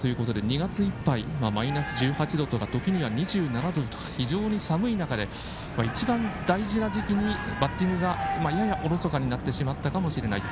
２月いっぱいマイナス１８度とか時には２７度とか非常に寒い中で一番大事な時期にバッティングがややおろそかになってしまったかもしれない。